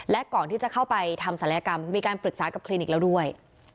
และก่อนที่จะเข้าไปทำศัลยกรรมมีการปรึกษากับคลินิกแล้วด้วย